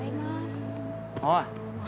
おい。